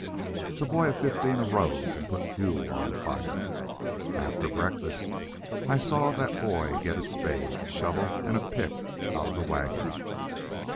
The boy of fifteen arose and put fuel on the fire. After breakfast I saw that boy get a spade, a shovel and a pick out of the wagon.